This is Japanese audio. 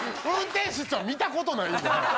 僕運転室は見たことないんでね。